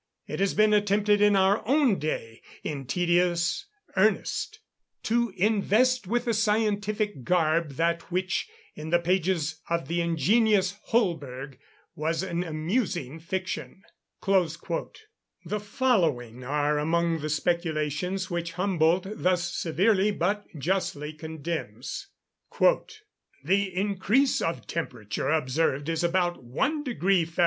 It has been attempted in our own day, in tedious earnest, to invest with a scientific garb that which, in the pages of the ingenious Holberg, was an amusing fiction." The following are among the speculations which Humboldt thus severely but justly condemns: "The increase of temperature observed is about 1 deg. Fahr.